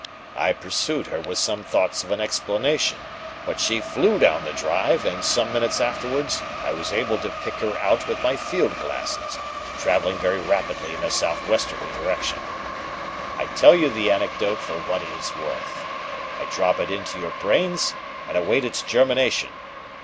I pursued her with some thoughts of an explanation, but she flew down the drive, and some minutes afterwards I was able to pick her out with my field glasses travelling very rapidly in a south westerly direction. I tell you the anecdote for what it is worth. I drop it into your brains and await its germination.